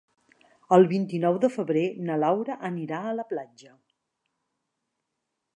El vint-i-nou de febrer na Laura anirà a la platja.